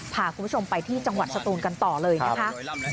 พาคุณผู้ชมไปที่จังหวัดสตูนกันต่อเลยนะคะ